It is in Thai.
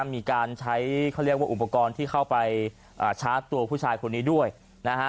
มีการใช้เขาเรียกว่าอุปกรณ์ที่เข้าไปชาร์จตัวผู้ชายคนนี้ด้วยนะฮะ